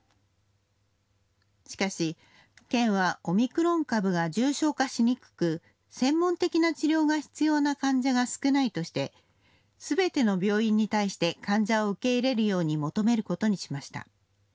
しかし県はオミクロン株が重症化しにくく専門的な治療が必要な患者が少ないとしてすべての病院に対して患者を受け入れるように求めることにしました。